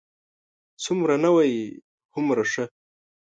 څومره نوی، هومره ښه.